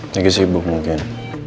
nanti sibuk mungkin